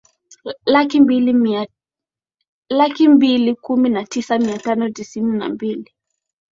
laki mbili kumi na tisa mia tano tisini na mbili